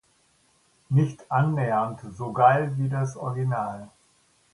Nicht annähernd so geil wie das Original!